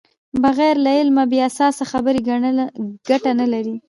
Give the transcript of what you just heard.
بغیر له علمه بې اساسه خبرې ګټه نلري.